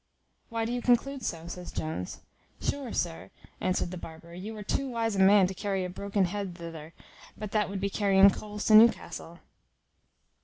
"Why do you conclude so?" says Jones. "Sure, sir," answered the barber, "you are too wise a man to carry a broken head thither; for that would be carrying coals to Newcastle."